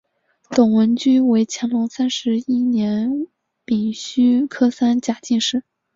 董文驹为乾隆三十一年丙戌科三甲进士。